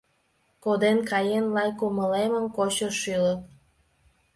Коден каен лай кумылемым кочо шӱлык.